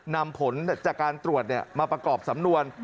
นำผลจากการตรวจมาประกอบสำนวน